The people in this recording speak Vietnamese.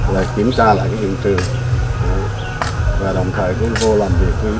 là kiểm tra lại cái hiện trường và đồng thời cũng vô làm việc với băng xã